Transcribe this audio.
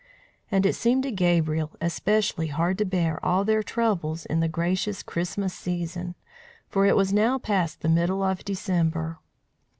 And it seemed to Gabriel especially hard to bear all their troubles in the gracious Christmas season; for it was now past the middle of December.